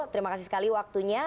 terima kasih sekali waktunya